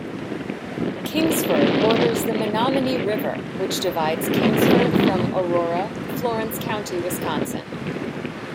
Kingsford borders the Menominee River which divides Kingsford from Aurora, Florence County, Wisconsin.